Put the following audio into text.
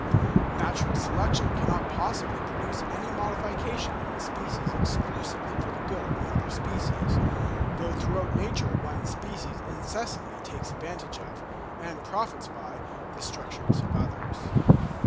Natural selection cannot possibly produce any modification in a species exclusively for the good of another species; though throughout nature one species incessantly takes advantage of, and profits by the structures of others.